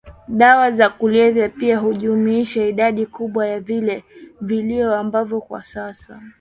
Dawa za kulevya pia hujumuisha idadi kubwa ya vileo ambavyo kwa sasa